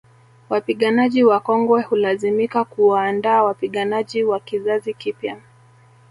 Wapiganaji wakongwe hulazimika kuwaandaa wapiganaji wa kizazi kipya